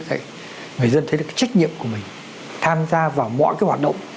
thì người dân thấy là cái trách nhiệm của mình tham gia vào mọi cái hoạt động